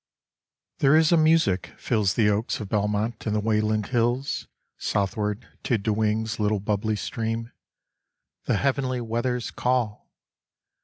There is a music fills The oaks of Belmont and the Wayland hills Southward to Dewing's little bubbly stream, The heavenly weather's call!